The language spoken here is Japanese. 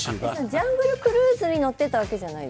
ジャングルクルーズに乗ってたわけではない？